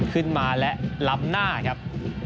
ขึ้นมาและล้ำหน้าครับ